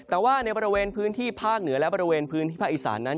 แต่ว่าในบริเวณพื้นที่ภาคเหนือและบริเวณพื้นที่ภาคอีสานนั้น